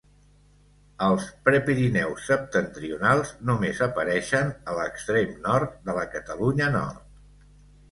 Els Prepirineus septentrionals només apareixen a l'extrem nord de la Catalunya Nord.